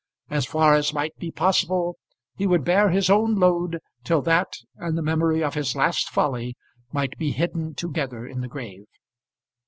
As far as might be possible he would bear his own load till that and the memory of his last folly might be hidden together in the grave.